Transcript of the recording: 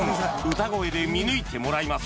歌声で見抜いてもらいます